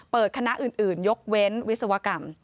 คณะอื่นยกเว้นวิศวกรรม